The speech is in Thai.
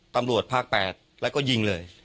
ตำรวจภาค๘แล้วก็ยิงเลย